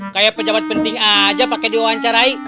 kayak pejabat penting aja pakai diwawancarai